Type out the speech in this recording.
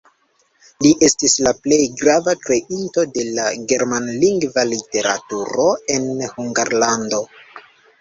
Li estis la plej grava kreinto de la germanlingva literaturo en Hungarlando.